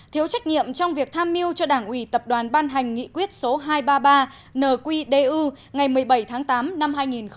thiếu trách nhiệm trong việc tham mưu cho đảng ủy tập đoàn ban hành nghị quyết số hai trăm ba mươi ba nqdu ngày một mươi bảy tháng tám năm hai nghìn một mươi chín